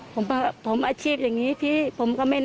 ผมคนอาชีพอย่างนี้พี่ผมก็ไม่แน่นอน